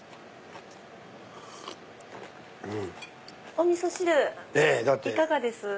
おみそ汁いかがです？